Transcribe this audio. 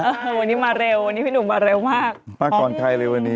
เออวันนี้มาเร็ววันนี้พี่หนุ่มมาเร็วมากมาก่อนใครเลยวันนี้